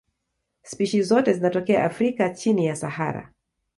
Spishi zote zinatokea Afrika chini ya Sahara.